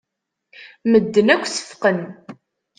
Medden akk seffqen.